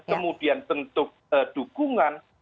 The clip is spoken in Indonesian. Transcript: kemudian bentuk dukungan